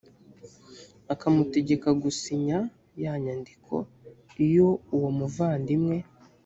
akamutegeka gusinya ya nyandiko iyo uwo muvandimwe